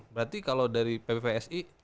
berarti kalau dari ppvsi